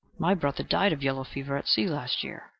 "My brother died of yellow fever at sea last year."